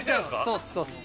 そうっすそうっす。